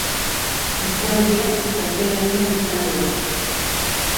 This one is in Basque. Hitzaldia gaztelaniaz izango da.